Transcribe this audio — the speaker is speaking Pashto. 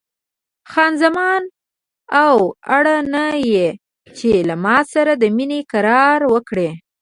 خان زمان: او اړ نه یې چې له ما سره د مینې اقرار وکړې.